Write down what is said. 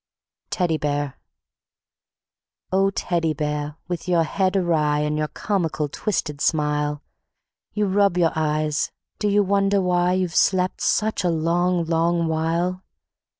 Teddy Bear O Teddy Bear! with your head awry And your comical twisted smile, You rub your eyes do you wonder why You've slept such a long, long while?